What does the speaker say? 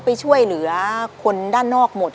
ไปช่วยเหลือคนด้านนอกหมด